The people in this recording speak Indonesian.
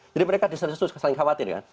jadi mereka di sas sas saling khawatir